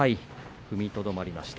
踏みとどまりました。